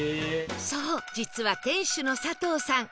そう実は店主の佐藤さん